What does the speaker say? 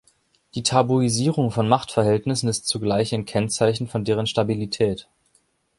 Die Tabuisierung von Machtverhältnissen ist zugleich ein Kennzeichen von deren Stabilität.